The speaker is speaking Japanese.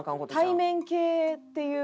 対面系っていう。